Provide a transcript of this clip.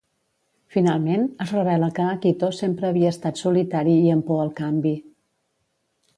Finalment, es revela que Akito sempre havia estat solitari i amb por al canvi.